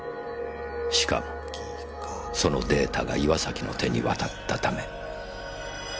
しかもそのデータが岩崎の手に渡ったため。